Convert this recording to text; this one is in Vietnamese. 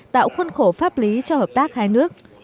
tạo khuôn khổ pháp lý cho hợp tác hai nước